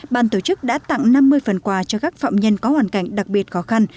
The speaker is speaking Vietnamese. ban tổ chức đã tặng năm mươi phần quà cho các phạm nhân có hoàn cảnh đặc biệt khó khăn